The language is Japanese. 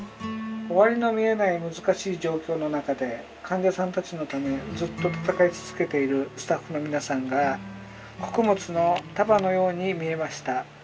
「終わりの見えない難しい状況の中で患者さんたちのためずーっと闘い続けているスタッフの皆さんが穀物の束のように見えました」。